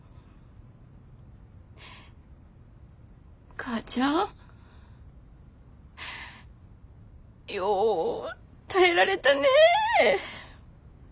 母ちゃんよう耐えられたねぇ。